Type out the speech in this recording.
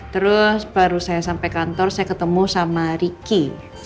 terus baru saya sampai kantor saya ketemu sama ricky